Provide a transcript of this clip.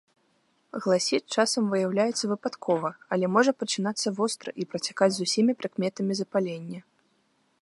Гласіт часам выяўляецца выпадкова, але можа пачынацца востра і працякаць з усімі прыкметамі запалення.